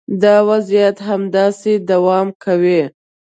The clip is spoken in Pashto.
دا وضعیت همداسې دوام کوي.